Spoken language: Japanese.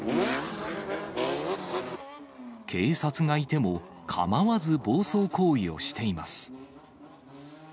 警察がいても構わず暴走行為をしています。